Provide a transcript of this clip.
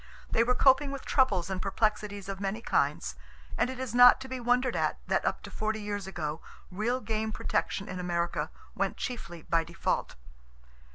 They were coping with troubles and perplexities of many kinds, and it is not to be wondered at that up to forty years ago, real game protection in America went chiefly by default.